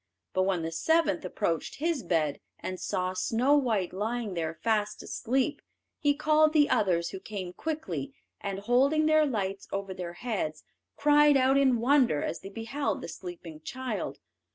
But when the seventh approached his bed, and saw Snow white lying there fast asleep, he called the others, who came quickly, and holding their lights over their heads, cried out in wonder as they beheld the sleeping child.